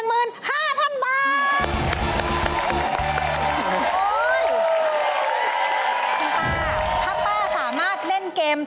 คุณป้าถ้าป้าสามารถเล่นเกม